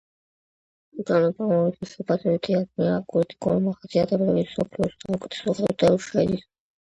ლუჩანო პავაროტის შეფასებით თეატრია აკუსტიკური მახასიათებლებით, მსოფლიოს საუკეთესო ხუთეულში შედის.